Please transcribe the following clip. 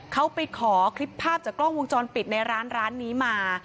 เขาไปขอคลิปภาพจากกล้องวงจรปิดในร้านร้านนี้มา